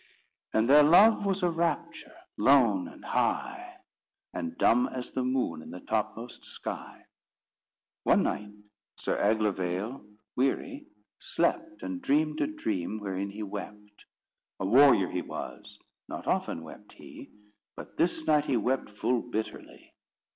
And their love was a rapture, lone and high, And dumb as the moon in the topmost sky. One night Sir Aglovaile, weary, slept And dreamed a dream wherein he wept. A warrior he was, not often wept he, But this night he wept full bitterly.